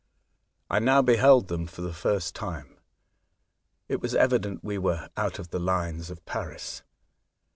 I now beheld them for the first time. It was evident we were out of the lines of Paris.